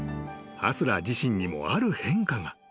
［ハスラー自身にもある変化が］